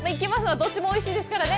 どっちもおいしいですからね。